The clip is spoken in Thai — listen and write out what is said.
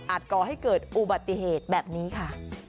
ก่อให้เกิดอุบัติเหตุแบบนี้ค่ะ